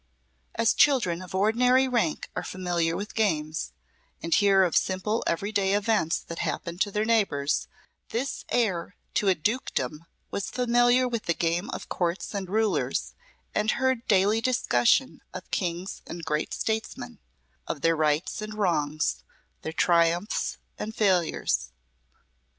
As children of ordinary rank are familiar with games, and hear of simple every day events that happen to their neighbours, this heir to a dukedom was familiar with the game of Courts and rulers and heard daily discussion of Kings and great statesmen of their rights and wrongs, their triumphs and failures.